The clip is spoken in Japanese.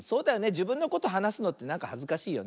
じぶんのことはなすのってなんかはずかしいよね。